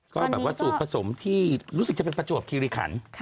ก็แบบว่าสูตรผสมที่รู้สึกจะเป็นประจวบคิริขัน